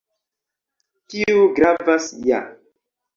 Tiu gravas ja